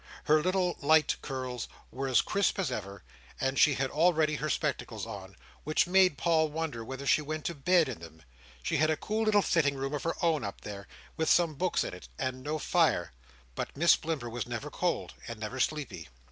Her little light curls were as crisp as ever, and she had already her spectacles on, which made Paul wonder whether she went to bed in them. She had a cool little sitting room of her own up there, with some books in it, and no fire But Miss Blimber was never cold, and never sleepy.